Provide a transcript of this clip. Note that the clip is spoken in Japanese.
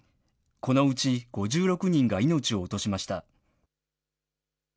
このうち５６人が命を落としました。